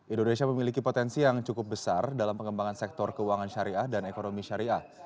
indonesia memiliki potensi yang cukup besar dalam pengembangan sektor keuangan syariah dan ekonomi syariah